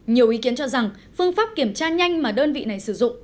nhiều ý kiến cho rằng phương pháp kiểm tra nhanh mà đơn vị này sử dụng